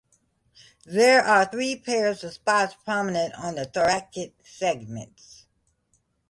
There are three pairs of spots prominent on thoracic segments.